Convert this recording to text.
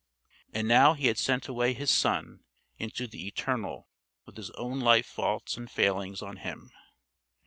... And now he had sent away his son into the eternal with his own life faults and failings on him....